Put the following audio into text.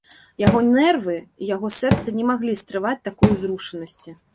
Яго нервы, яго сэрца не маглі стрываць такой узрушанасці.